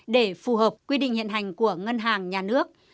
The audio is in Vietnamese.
để phù hợp quy định hiện hành của ngân hàng nhà nước